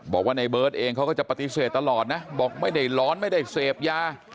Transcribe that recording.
บอกว่าในเบิร์ตเองเขาก็จะปฏิเสธตลอดนะบอกไม่ได้ร้อนไม่ได้เสพยา